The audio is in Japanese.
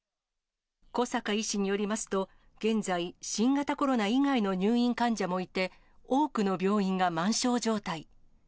小坂医師によりますと、現在、新型コロナ以外の入院患者もいて、多くの病院が満床状態。